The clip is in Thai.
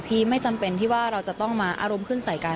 ไม่จำเป็นที่ว่าเราจะต้องมาอารมณ์ขึ้นใส่กัน